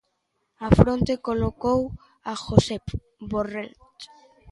Á fronte colocou a Josep Borrell.